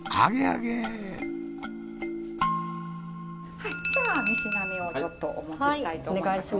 はいじゃあ三品目をちょっとお持ちしたいと思います。